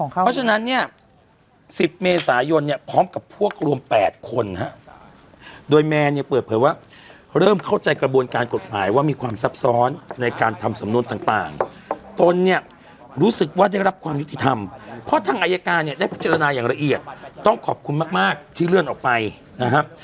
เพราะฉะนั้นเนี่ย๑๐เมษายนเนี่ยพร้อมกับพวกรวม๘คนฮะโดยแมนเนี่ยเปิดเผยว่าเริ่มเข้าใจกระบวนการกฎหมายว่ามีความซับซ้อนในการทำสำนวนต่างตนเนี่ยรู้สึกว่าได้รับความยุติธรรมเพราะทางอายการเนี่ยได้พิจารณาอย่างละเอียดต้องขอบคุณมากที่เลื่อนออกไปนะครับ